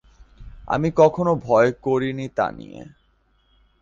আমি কখনো ভয় করি নি তা নিয়ে।